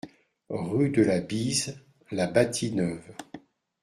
Rue de la Bise, La Bâtie-Neuve